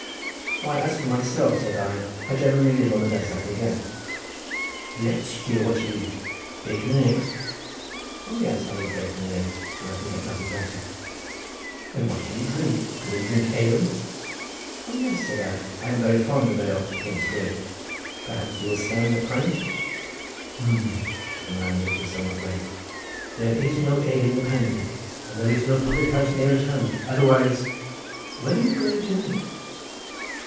"Why, as for myself," said I, "I generally live on the best I can get." "Let's hear what you eat; bacon and eggs?" "O yes! I eat bacon and eggs when I can get nothing better." "And what do you drink? Can you drink ale?" "O yes," said I; "I am very fond of ale when it's good. Perhaps you will stand a pint?" "H'm," said the man looking somewhat blank; "there is no ale in the Pandy and there is no public house near at hand, otherwise—. Where are you going to night?"